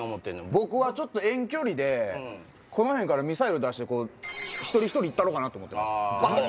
僕は遠距離でこの辺からミサイル出して一人一人行ったろうと思ってますバコン！